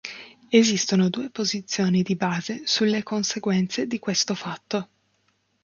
Esistono due posizioni di base sulle conseguenze di questo fatto.